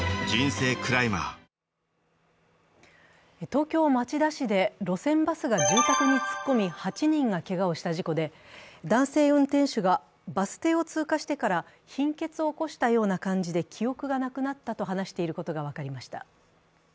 東京・町田市で路線バスが住宅に突っ込み８人がけがをした事故で、男性運転手がバス停を通過してから貧血を起こしたような感じで記憶がなくなったと話していることが分かりました。